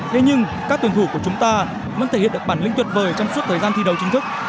thế nhưng các tuyển thủ của chúng ta vẫn thể hiện được bản lĩnh tuyệt vời trong suốt thời gian thi đấu chính thức